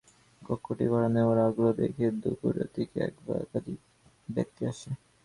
কক্ষটি ভাড়া নেওয়ার আগ্রহ দেখিয়ে দুপুরের দিকে এক বা একাধিক ব্যক্তি আসে।